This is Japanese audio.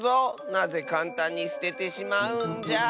なぜかんたんにすててしまうんじゃ！